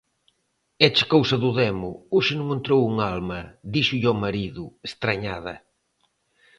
"Éche cousa do demo, hoxe non entrou un alma", díxolle ao marido, estrañada.